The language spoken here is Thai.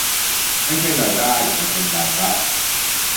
ไม่ใช่รายได้แต่เป็นรายรับ